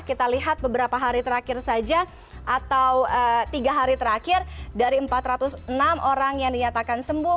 kita lihat beberapa hari terakhir saja atau tiga hari terakhir dari empat ratus enam orang yang dinyatakan sembuh